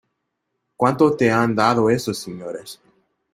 ¿ cuánto te han dado esos señores?